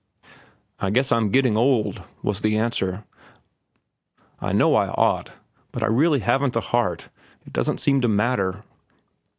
"I guess I'm getting old," was the answer. "I know I ought, but I really haven't the heart. It doesn't seem to matter."